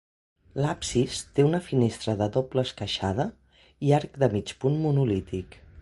L'absis té una finestra de doble esqueixada i arc de mig punt monolític.